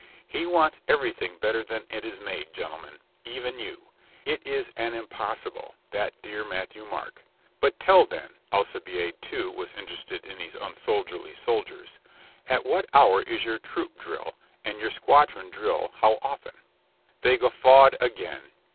"He wants everything better than it is made, gentlemen. Even you. It is an impossi ble, that dear Matthieu Marc. But tell, then" — Al cibiade, too, was interested in these unsoldierly sol diers— "at what hour is your troop drill, and your squadron drill how often?" They guffawed again.